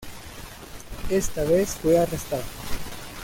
Esta vez, fue arrestado.